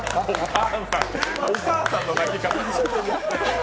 お母さんの泣き方。